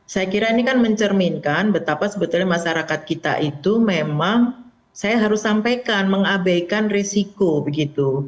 saya kira ini kan mencerminkan betapa sebetulnya masyarakat kita itu memang saya harus sampaikan mengabaikan risiko begitu